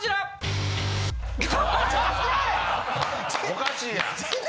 おかしいやん。